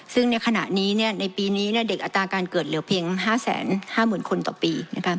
ซึ่งในขณะนี้ในปีนี้เด็กอัตราการเกิดเหลือเพียง๕๕๐๐๐คนต่อปี